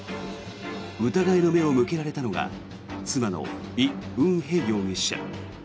疑いの目を向けられたのが妻のイ・ウンヘ容疑者。